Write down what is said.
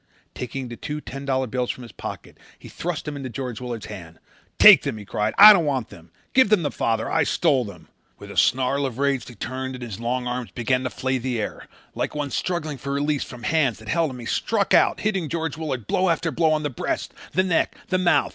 Taking the two ten dollar bills from his pocket he thrust them into George Willard's hand. "Take them," he cried. "I don't want them. Give them to father. I stole them." With a snarl of rage he turned and his long arms began to flay the air. Like one struggling for release from hands that held him he struck out, hitting George Willard blow after blow on the breast, the neck, the mouth.